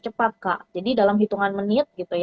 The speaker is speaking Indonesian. cepat kak jadi dalam hitungan menit